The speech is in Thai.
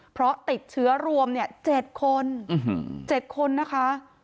เพราะติดเชื้อรวม๗คน๗คนนะคะ